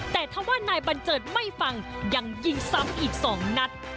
แต่ถ้าว่านายบัญเจิดไม่ฟังยังยิงซ้ำอีก๒นัด